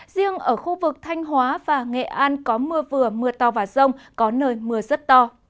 riêng ở khu vực thanh hóa và nghệ an có mưa vừa mưa to và rông có nơi mưa rất to